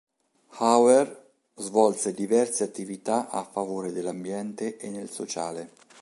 Hauer svolse diverse attività a favore dell'ambiente e nel sociale.